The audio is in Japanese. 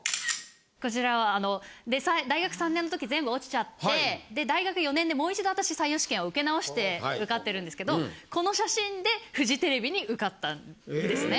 こちらは大学３年の時全部落ちちゃって大学４年でもう一度私採用試験を受け直して受かってるんですけどこの写真でフジテレビに受かったんですね。